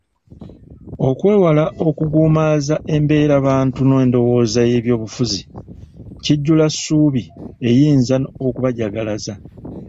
Okwewala okuguumaaza embeerabantu n’endowooza y’ebyobufuzi, kijjulassuubi eyinza okubajagalaza.